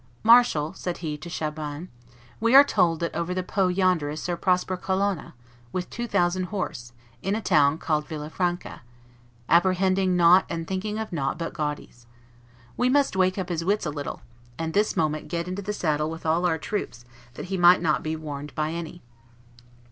"Marshal," said he to Chabannes, "we are told that over the Po yonder is Sir Prosper Colonna, with two thousand horse, in a town called Villafranca, apprehending nought and thinking of nought but gaudies. We must wake up his wits a little, and this moment get into the saddle with all our troops, that he be not warned by any."